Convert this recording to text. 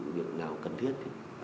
việc nào cần thiết